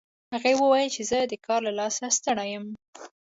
هغې وویل چې زه د کار له لاسه ستړي یم